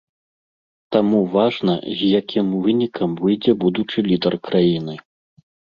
Таму важна, з якім вынікам выйдзе будучы лідар краіны.